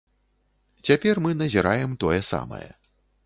Цяпер мы назіраем тое самае.